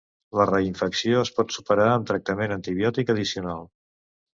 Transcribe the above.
La reinfecció es pot superar amb tractament antibiòtic addicional.